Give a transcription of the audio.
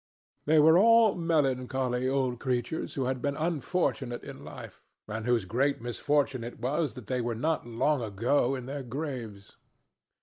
They were all melancholy old creatures who had been unfortunate in life, and whose greatest misfortune it was that they were not long ago in their graves.